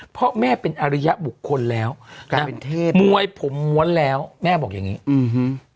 เพราะแม่เป็นอริยบุคคลแล้วครับนางเป็นเทพมวยผมม้วนแล้วแม่บอกอย่างงี้อื้อฮือ